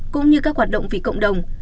cũng như các hoạt động vì cộng đồng